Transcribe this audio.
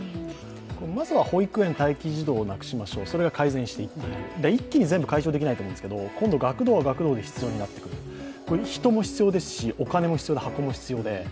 まずは保育園、待機児童をなくしましょう、それは解消されていってる、一気に全部解消できないと思うんですけれども今度は学童も学童で必要になってくる、人も必要ですし、お金も必要で箱も必要で。